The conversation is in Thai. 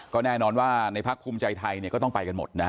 ก็แน่นอนว่าในพักภูมิใจไทยก็ต้องไปกันหมดนะฮะ